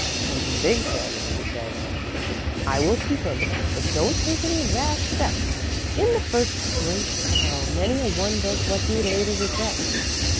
And to the big Sami she said: "I will keep him, but don't take any rash steps! In the first great sorrow many a one does what he later regrets.